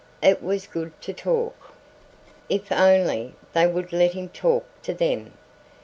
It was good to talk. If only they would let him talk to them.